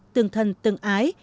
tương thân tương ái